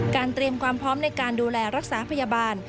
เตรียมความพร้อมในการดูแลรักษาพยาบาล